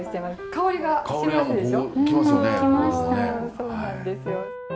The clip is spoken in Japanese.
そうなんですよ。